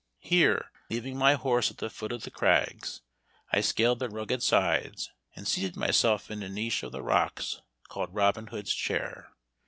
Here, leaving my horse at the foot of the crags, I scaled their rugged sides, and seated myself in a niche of the rocks, called Robin Hood's chair.